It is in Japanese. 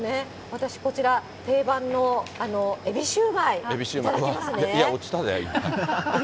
私、こちら、定番のエビシューマイ、落ちたで、今。